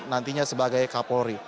nantinya sebagai kapolri